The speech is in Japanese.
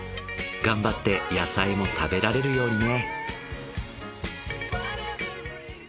頑張って野菜も食べられるようにね。